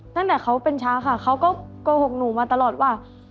ตั้งแต่เขาเป็นช้าค่ะเขาก็โกหกหนูมาตลอดว่า